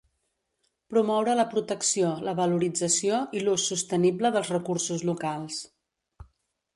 Promoure la protecció, la valorització i l'ús sostenible dels recursos locals.